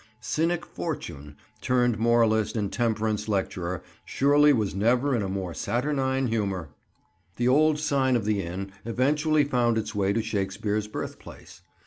Cynic Fortune, turned moralist and temperance lecturer, surely was never in a more saturnine humour! [Picture: "Haunted Hillborough"] The old sign of the inn eventually found its way to Shakespeare's birthplace.